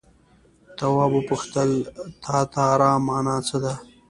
تواب وپوښتل تتارا مانا څه ده.